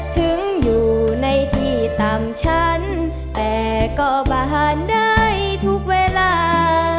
ถึงอยู่ในที่ตามชั้นแต่ก็บานได้ทุกเวลา